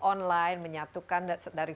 online menyatukan dari